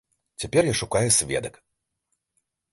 Цяпер я шукаю сведак.